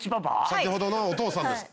先ほどのお父さんです。